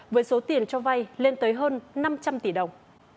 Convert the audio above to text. với số tiền cho vay lên tới hơn năm trăm linh tỷ đồng